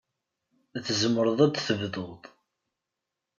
Tzemreḍ ad tebduḍ.